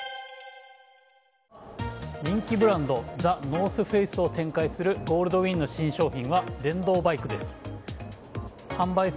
人気ブランドザ・ノースフェイスを展開するゴールドウィンの新商品は電動バイクです。